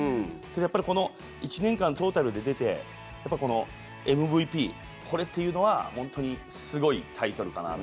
やっぱりこの１年間トータルで出てやっぱこのＭＶＰこれっていうのは本当にすごいタイトルかなと。